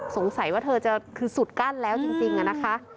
สงสัยว่าเธอจะคือสุดกั้นแล้วจริงนะคะ